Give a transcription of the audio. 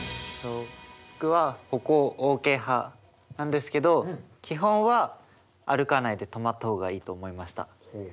僕は歩行ＯＫ派なんですけど基本は歩かないで止まった方がいいと思いました。